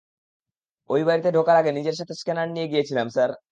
ঐ বাড়িতে ঢোকার আগে নিজের সাথে স্ক্যানার নিয়ে গিয়েছিলাম, স্যার।